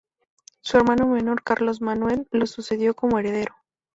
Su hermano menor Carlos Manuel, lo sucedió como heredero.